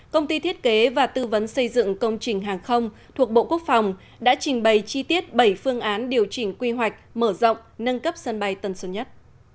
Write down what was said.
công ty thiết kế và tư vấn xây dựng công trình hàng không thuộc bộ quốc phòng đã trình bày chi tiết bảy phương án điều chỉnh quy hoạch mở rộng nâng cấp sân bay tân sơn nhất